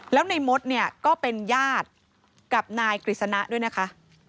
แล้วในมดก็เป็นญาติกับนกฤษนะด้วยนะคะ